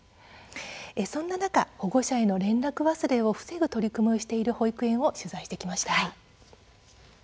そんな中、保護者への連絡忘れを防ぐ取り組みをしている保育園を取材しました。